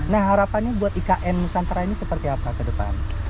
nah harapannya buat ikn nusantara ini seperti apa ke depan